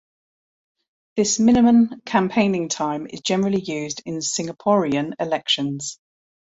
This minimum campaigning time is generally used in Singaporean elections.